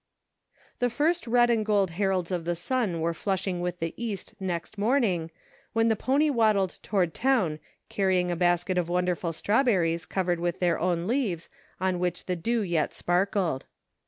The first red and gold heralds of the sun were 176 "orders to move." flushing the east next morning when the pony waddled toward town carrying a basket of wonder ful strawberries covered with their own leaves on which the dew yet sparkled.